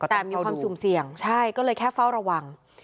แต่มีความสุ่มเสี่ยงใช่ก็เลยแค่เฝ้าระวัง